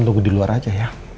pak tunggu di luar saja ya